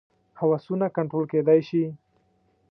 هوسونه کنټرول کېدای شي.